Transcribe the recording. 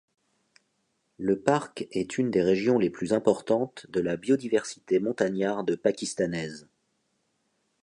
Le parc est une des régions les plus importantes de la biodiversité montagnarde pakistanaise.